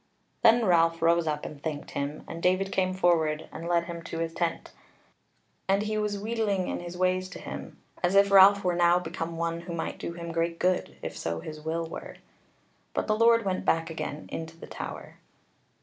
Then Ralph rose up and thanked him, and David came forward, and led him to his tent. And he was wheedling in his ways to him, as if Ralph were now become one who might do him great good if so his will were. But the Lord went back again into the Tower.